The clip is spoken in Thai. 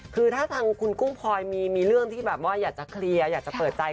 คือถ้าทางคุณกุ้งพลอยมีเรื่องที่แบบว่าอยากจะเคลียร์อยากจะเปิดใจ